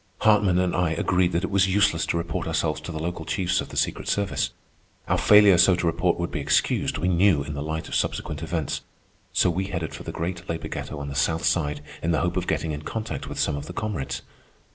Hartman and I agreed that it was useless to report ourselves to the local chiefs of the secret service. Our failure so to report would be excused, we knew, in the light of subsequent events. So we headed for the great labor ghetto on the South Side in the hope of getting in contact with some of the comrades.